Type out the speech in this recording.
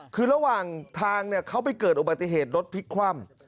คือระหว่างทางเขาไปเกิดอุบัติเหตุรถพลิกคว่ำ